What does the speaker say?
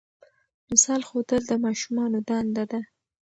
مثال ښودل د ماشومانو دنده ده.